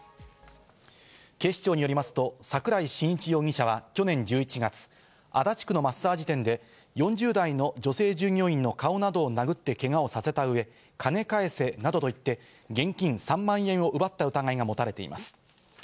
警視庁によりますと桜井進一容疑者は去年１１月、足立区のマッサージ店で４０代の女性従業員の顔などを殴ってけがをさせた上、金返せなどと言って現金３万円を奪った疑いがもたれています。